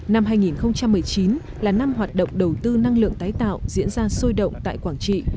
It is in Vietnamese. năm hai nghìn một mươi chín là năm hoạt động đầu tư năng lượng tái tạo diễn ra sôi động tại quảng trị